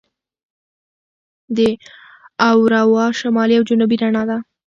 د اورورا شمالي او جنوبي رڼا ده.